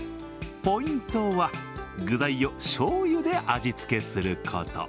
ポイントは、具材をしょうゆで味付けすること。